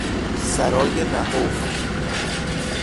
سرای نهفت